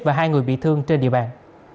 và hai người bị thương trên địa bàn